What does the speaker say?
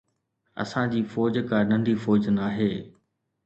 اسان جي فوج ڪا ننڍي فوج ناهي.